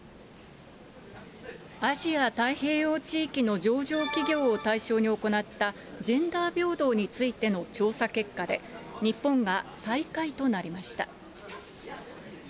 アジア太平洋地域の上場企業を対象に行った、ジェンダー平等についての調査結果で、日本が最下位となりました。